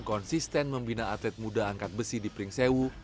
konsisten membina atlet muda angkat besi di pringsewu